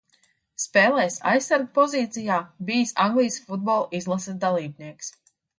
Spēlējis aizsarga pozīcijā, bijis Anglijas futbola izlases dalībnieks.